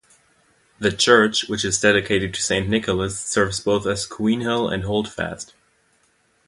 The church, which is dedicated to Saint Nicholas, serves both Queenhill and Holdfast.